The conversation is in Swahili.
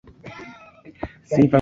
Sifa kwa Yesu wangu